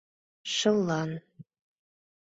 Шыллан.